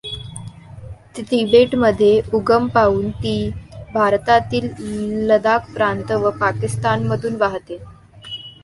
तिबेटमध्ये उगम पावून ती भारतातील लदाख प्रांत व पाकिस्तानमधून वाहते.